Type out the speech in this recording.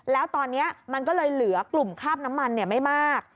แล้วตอนนี้มันก็เลยเหลือกลุ่มคราบน้ำมันไม่มาก